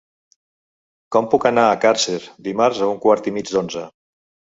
Com puc anar a Càrcer dimarts a un quart i mig d'onze?